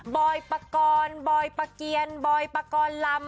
บอยปากรบอยปากเกียรบอยปากรลำ